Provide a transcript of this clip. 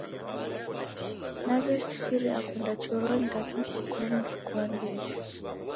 Naw'esikira kuenda choronyi lakini oko mundu uko andenyi